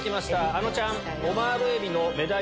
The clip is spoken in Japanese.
あのちゃん。